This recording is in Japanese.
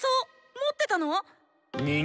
持ってたの？